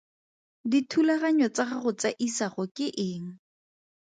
Dithulaganyo tsa gago tsa isago ke eng?